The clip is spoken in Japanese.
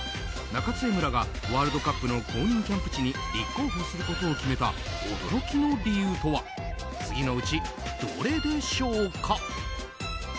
中津江村がワールドカップの公認キャンプ地に立候補することを決めた驚きの理由とは次のうち、どれでしょうか。